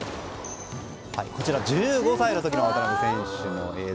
こちら、１５歳の時の渡邉選手の映像。